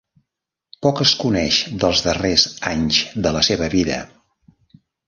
Poc es coneix dels darrers anys de la seva vida.